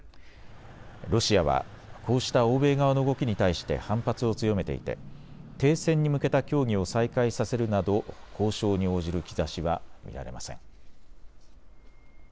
ロシアはこうした欧米側の動きに対して反発を強めていて停戦に向けた協議を再開させるなど交渉に応じる兆しは見られません。